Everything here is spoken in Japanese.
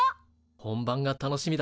本番が楽しみだ。